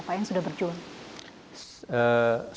apa yang sudah berjual